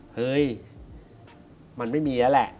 เฮ้ยมันไม่มีแล้วแหละ